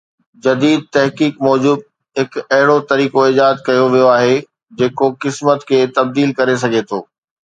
جديد تحقيق موجب هڪ اهڙو طريقو ايجاد ڪيو ويو آهي جيڪو قسمت کي تبديل ڪري سگهي ٿو